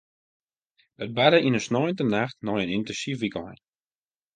It barde yn in sneintenacht nei in yntinsyf wykein.